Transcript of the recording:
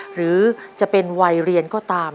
หรือจะเป็นวัยเรียนก็ตาม